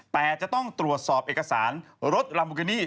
แต่จะต้องตรวจสอบเอกสารรถลามูกินี่